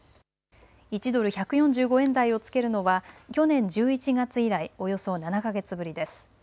１ドル１４５円台をつけるのは去年１１月以来、およそ７か月ぶりです。